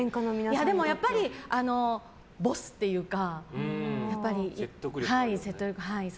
でもやっぱりボスっていうか説得力が。